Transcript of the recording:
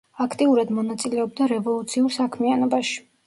აქტიურად მონაწილეობდა რევოლუციურ საქმიანობაში.